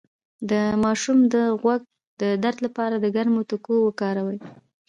د ماشوم د غوږ د درد لپاره د ګرمو تکو وکاروئ